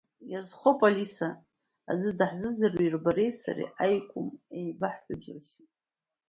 Иазхоуп Алиса, аӡәы даҳзыӡырҩыр бареи сареи аиакәым еибаҳҳәо џьыршьоит!